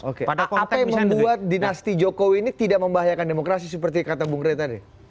oke apa apa yang membuat dinasti jokowi ini tidak membahayakan demokrasi seperti kata bung rey tadi